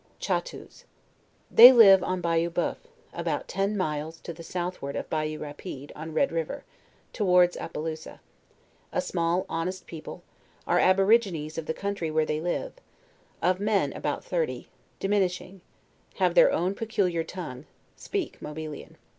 CHATTOOS. They live on Bayou Boeuf, about ten miles. LEWIS AND CLARKE. 157 to the southward of Bayou Rapide, on Reel river, towards Ap pallousa: a small honest people; arc aborigines of the coun try where they live; of men about thirty; diminishing: have their own peculiar tongue; speak Mobilian.